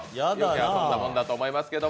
遊んだものだと思いますけど。